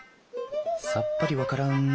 さっぱり分からん。